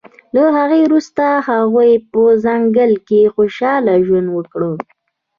له هغې وروسته هغوی په ځنګل کې خوشحاله ژوند وکړ